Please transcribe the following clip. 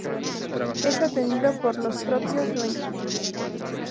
Es atendido por los propios dueños.